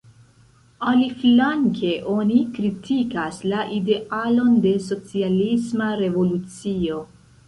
Aliflanke oni kritikas la idealon de socialisma revolucio.